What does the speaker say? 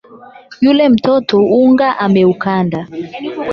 Yule mtoto unga ameukanda